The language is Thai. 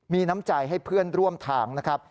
มีน้ำใจให้เพื่อนร่วมทางนะครับ